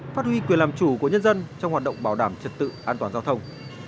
phát huy quyền làm chủ của nhân dân trong hoạt động bảo đảm trật tự an toàn giao thông